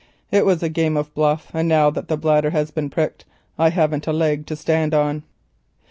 It was a game of bluff, and now that the bladder has been pricked I haven't a leg to stand on."